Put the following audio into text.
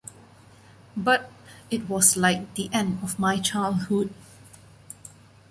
But it was like the end of my childhood.